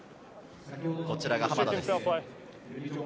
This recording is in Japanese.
こちらが濱田です。